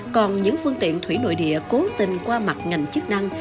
còn những phương tiện thủy nội địa cố tình qua mặt ngành chức năng